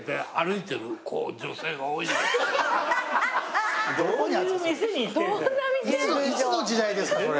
いつの時代ですかそれ。